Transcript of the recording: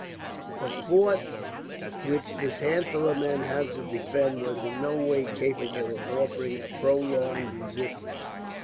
The fort which this handful of men had to defend was in no way capable of offering a prolonged resistance.